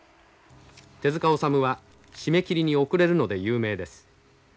手塚治虫は締め切りに遅れるので有名です。